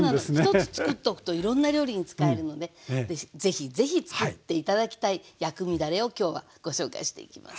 １つつくっとくといろんな料理に使えるので是非是非つくって頂きたい薬味だれを今日はご紹介していきます。